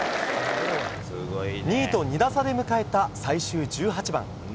２位と２打差で迎えた最終１８番。